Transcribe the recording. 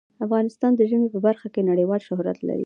افغانستان د ژمی په برخه کې نړیوال شهرت لري.